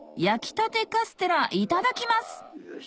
焼きたてカステラいただきます